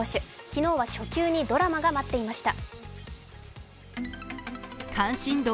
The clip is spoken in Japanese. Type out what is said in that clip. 昨日は初球にドラマが待っていました。